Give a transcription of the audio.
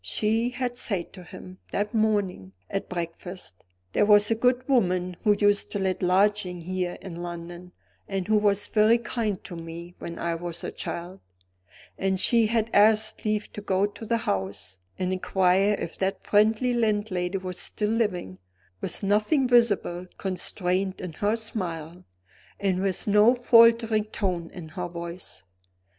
She had said to him, that morning, at breakfast: "There was a good woman who used to let lodgings here in London, and who was very kind to me when I was a child;" and she had asked leave to go to the house, and inquire if that friendly landlady was still living with nothing visibly constrained in her smile, and with no faltering tone in her voice.